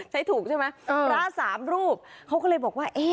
ใช้ถูกใช่ไหมพระสามรูปเขาก็เลยบอกว่า